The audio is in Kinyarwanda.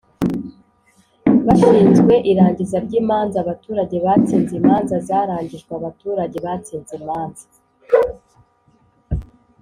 bashinzwe irangiza ry imanza abaturage batsinze imanza zarangijwe abaturage batsinze imanza